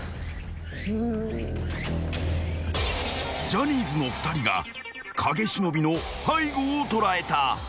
［ジャニーズの２人が影忍の背後を捉えた］